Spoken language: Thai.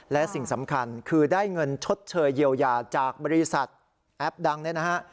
และสิ่งสำคัญคือได้เงินชดเชยเยียวยาจากบริษัทแอปดังเนี่ยนะฮะ